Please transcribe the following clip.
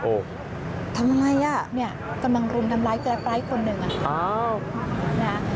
โอ้โหทำอะไรอ่ะเนี่ยกำลังรุมทำร้ายแกรปไร้คนหนึ่งอ่ะอ้าวนะฮะ